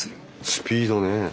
スピードねえ。